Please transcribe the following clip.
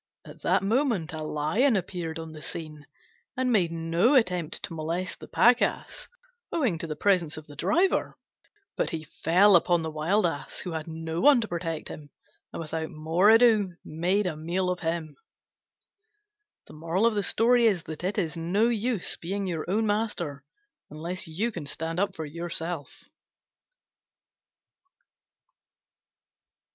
At that moment a Lion appeared on the scene, and made no attempt to molest the Pack Ass owing to the presence of the driver; but he fell upon the Wild Ass, who had no one to protect him, and without more ado made a meal of him. It is no use being your own master unless you can stand up for yourself.